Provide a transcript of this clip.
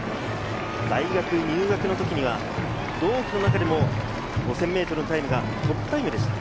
大学入学の時には同期の中でも５０００ｍのタイムがトップタイムでした。